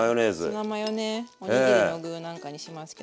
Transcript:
ツナマヨねおにぎりの具なんかにしますけど。